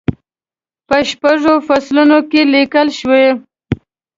په شپږو فصلونو کې لیکل شوې.